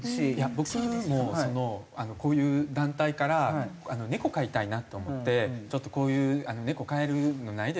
僕もこういう団体から猫飼いたいなと思って「ちょっとこういう猫飼えるのないですかね？